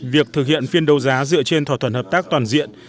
việc thực hiện phiên đấu giá dựa trên thỏa thuận hợp tác toàn diện